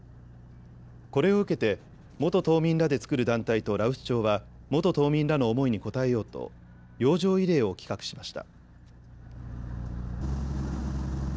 これを受けて元島民らで作る団体と羅臼町は元島民らの思いに応えようと洋上慰霊を企画しました。